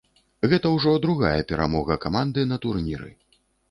Гэта ўжо другая перамога каманды на турніры.